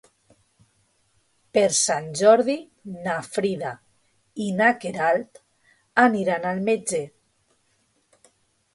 Per Sant Jordi na Frida i na Queralt aniran al metge.